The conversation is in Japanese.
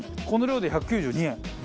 この量で１９２円。